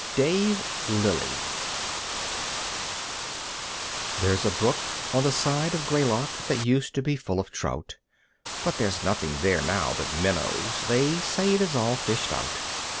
Dave Lilly There's a brook on the side of Greylock that used to be full of trout, But there's nothing there now but minnows; they say it is all fished out.